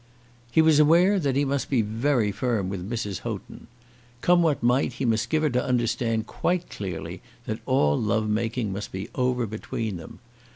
He was aware that he must be very firm with Mrs. Houghton. Come what might he must give her to understand quite clearly that all love making must be over between them.